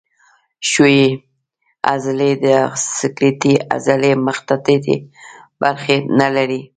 ښویې عضلې د سکلیټي عضلې مخططې برخې نه لري.